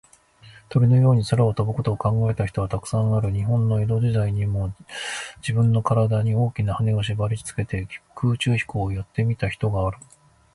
鳥のように空を飛ぶことを考えた人は、たくさんある。日本の江戸時代にも、じぶんのからだに、大きなはねをしばりつけて、空中飛行をやってみた人がある。